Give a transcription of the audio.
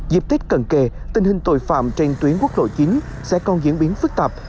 dịp tích cần kề tình hình tội phạm trên tuyến quốc lộ chính sẽ còn diễn biến phức tạp